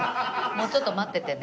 もうちょっと待っててね。